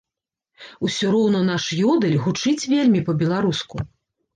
Усё роўна наш ёдэль гучыць вельмі па-беларуску.